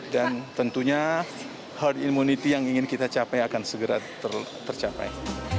dan tentunya herd immunity yang ingin kita capai akan segera tercapai